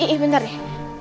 ih bentar deh